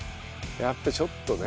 やっぱりちょっとね。